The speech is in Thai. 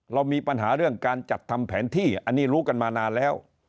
เรามีปัญหาเรื่องการจัดทำแผนที่อันนี้รู้กันมานานแล้ว